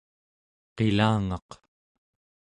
qilangaq